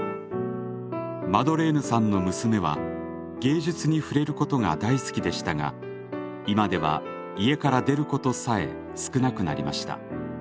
マドレーヌさんの娘は芸術に触れることが大好きでしたが今では家から出ることさえ少なくなりました。